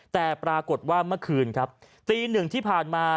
แต่ปรากฏว่าเมื่อคืนตี๑ที่ผ่านมา